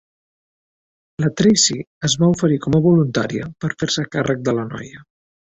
La Tracey es va oferir com a voluntària per fer-se càrrec de la noia.